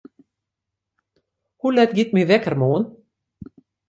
Hoe let giet myn wekker moarn?